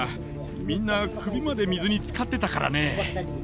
みんな首まで水に漬かってたからね。